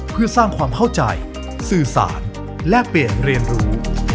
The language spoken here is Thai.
เพื่อสร้างความเข้าใจสื่อสารแลกเปลี่ยนเรียนรู้